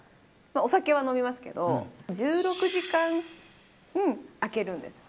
お酒は飲みますけど１６時間空けるんです。